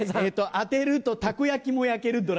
当てるとたこ焼きも焼けるドライヤー。